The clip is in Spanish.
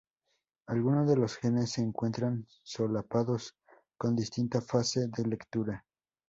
Algunos de los genes se encuentran solapados, con distinta fase de lectura.